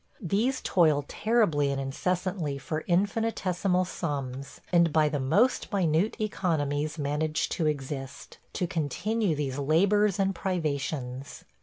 These toil terribly and incessantly for infinitesimal sums, and by the most minute economies manage to exist – to continue these labors and privations.